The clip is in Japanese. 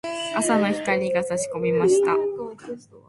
朝の光が差し込みました。